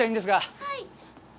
はい。